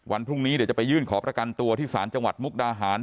วันพรุ่งนี้เดี๋ยวจะไปยื่นขอประกันตัวที่ศาลจังหวัดมุกดาหาร